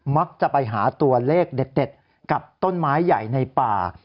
มักจะไปหาตัวเลขเด็ดกับต้นไม้ใหญ่ในป่า